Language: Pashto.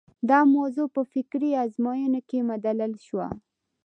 دا موضوع په فکري ازموینو کې مدلل شوه.